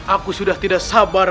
aku sudah tidak sabar